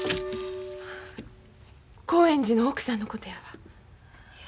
興園寺の奥さんのことやわ。